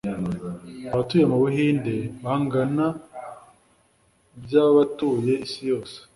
Abatuye mu Buhinde bangana byabatuye isi yose